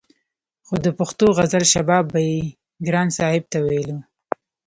خو د پښتو غزل شباب به يې ګران صاحب ته ويلو